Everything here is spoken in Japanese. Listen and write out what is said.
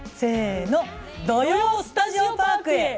「土曜スタジオパーク」へ